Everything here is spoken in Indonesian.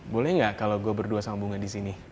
boleh gak kalo gua berdua sama bunga disini